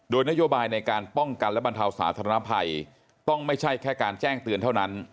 โดยนโยบายในการป้องกันและบรรเทาสาธารณภัยต้องไม่ใช่แค่การแจ้งเตือนเท่านั้น